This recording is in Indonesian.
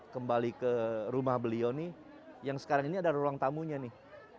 kembali ke rumah beliau nih yang sekarang ini ada ruang tamunya nih